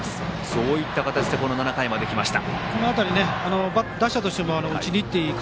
そういった形で７回まできました。